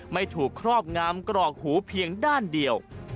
ไม่ถูกครอบงามกรอกหูเพียงด้านเดียว